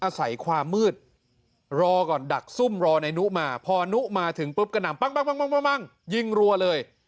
อาศัยความมืดรอก่อนดักซุ่มรอนายนุมาพอนุมาถึงปุ๊บกระหน่ำปั้งยิงรัวเลย